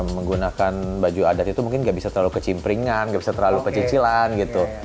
menggunakan baju adat itu mungkin gak bisa terlalu kecimpringan nggak bisa terlalu kecicilan gitu